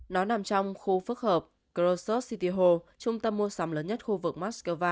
nó nằm trong khu phức hợp krosot city hall trung tâm mua sắm lớn nhất khu vực moscow